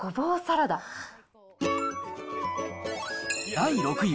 第６位。